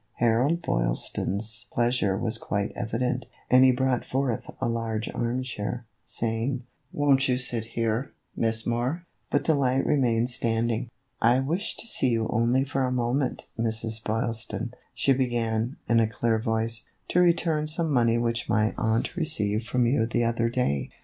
Harold Boylston's pleasure was quite evident, and he brought forward a large arm chair, saying, " Won't you sit here, Miss Moore ?" But Delight remained standing. "I wished to see you only for a moment, Mrs. Boylston," she began, in a clear voice, "to return some money which my aunt received from you the other day.